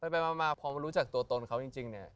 มาพอมารู้จักตัวตนเขาจริงเนี่ย